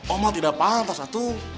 omah tidak pantas satu